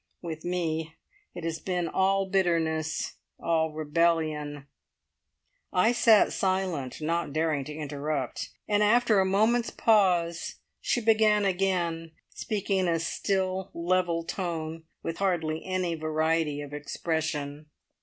With me it has been all bitterness, all rebellion." I sat silent, not daring to interrupt, and after a moment's pause she began again, speaking in a still, level tone, with hardly any variety of expression.